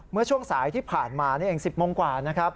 เมื่อช่วงสายที่ผ่านมานี่เอง๑๐โมงกว่านะครับ